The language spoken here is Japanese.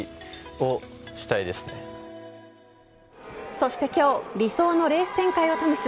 そして今日理想のレース展開を試す